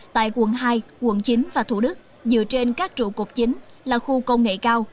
tại quận hai quận chín và thủ đức dựa trên các trụ cột chính là khu công nghệ cao